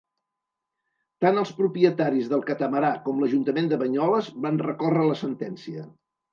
Tant els propietaris del catamarà com l'Ajuntament de Banyoles van recórrer la sentència.